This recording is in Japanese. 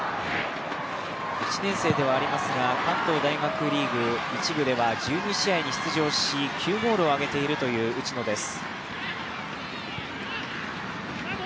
１年生ではありますが、関東大学リーグ１部では１２試合に出場し９ゴールを挙げているという内野です。